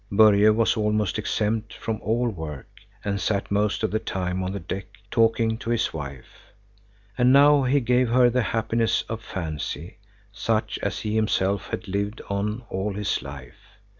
Börje was almost exempt from all work, and sat most of the time on the deck, talking to his wife. And now he gave her the happiness of fancy, such as he himself had lived on all his life.